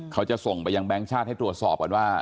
เขาจะส่งไปยังแบงค์ชาติให้ตรวจสอบก่อนว่า